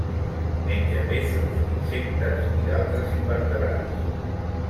Menja peixos, insectes i d'altres invertebrats.